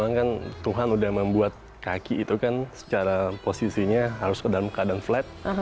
karena kan tuhan udah membuat kaki itu kan secara posisinya harus ke dalam keadaan flat